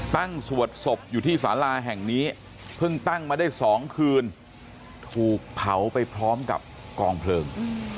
สวดศพอยู่ที่สาราแห่งนี้เพิ่งตั้งมาได้๒คืนถูกเผาไปพร้อมกับกองเพลิง